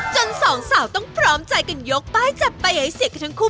สองสาวต้องพร้อมใจกันยกป้ายจับไปให้เสียกันทั้งคู่